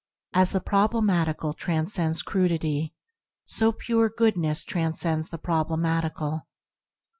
As the problematical transcends crudity, so Pure Goodness transcends the prob lematical.